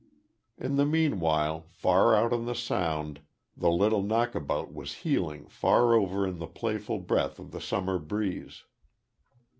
In the meanwhile, far out on the sound, the little knockabout was heeling far over in the playful breath of the summer breeze.